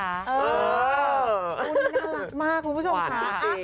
นี่น่ารักมากคุณผู้ชมค่ะ